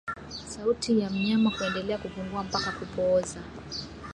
Sauti ya mnyama kuendelea kupungua mpaka kupooza